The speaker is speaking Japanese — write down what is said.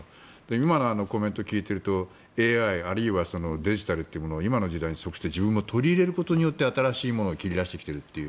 今のコメントを聞いているとＡＩあるいはデジタルってものを今の時代に即して自分も取り入れることによって新しいものを切り出してきていると。